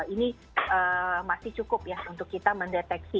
ini masih cukup ya untuk kita mendeteksi